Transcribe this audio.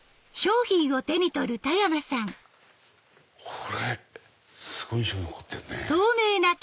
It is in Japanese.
これすごい印象に残ってるね。